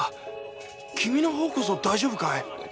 君の方こそ大丈夫かい？